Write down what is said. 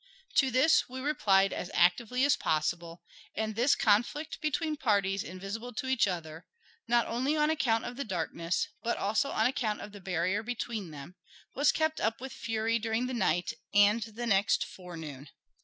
To this we replied as actively as possible, and this conflict between parties invisible to each other, not only on account of the darkness, but also on account of the barrier between them, was kept up with fury during the night and the next forenoon.